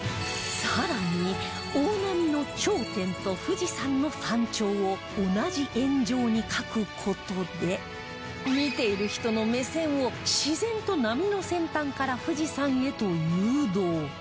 更に大波の頂点と富士山の山頂を同じ円上に描く事で見ている人の目線を自然と波の先端から富士山へと誘導